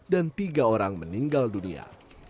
dan tiga orang meninggal dunia